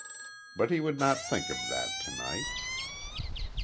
But he would not think of that to night.